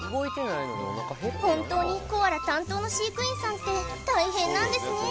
本当にコアラ担当の飼育員さんって大変なんですね